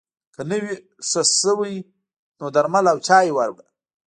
که نه وي ښه شوی نو درمل او چای ور وړه